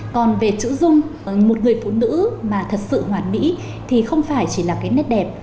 còn về chữ dung một người phụ nữ mà thật sự hoàn mỹ thì không phải chỉ là cái nét đẹp